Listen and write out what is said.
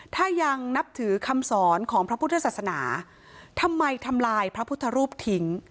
ถ้ายังนับถือคำสอนของพระพุทธศาสนาทำไมทำลายพระพุทธรูปทิ้ง